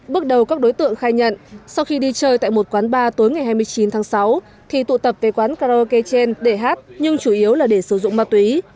bước đầu các đối tượng khai nhận sau khi đi chơi tại một quán ba tối ngày hai mươi chín tháng sáu thì tụ tập về quán karaoke trên để hát nhưng chủ yếu là để sử dụng ma túy